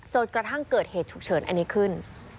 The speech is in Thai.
กระทั่งเกิดเหตุฉุกเฉินอันนี้ขึ้น